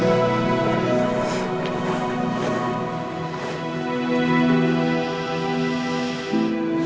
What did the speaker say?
salam pastel kita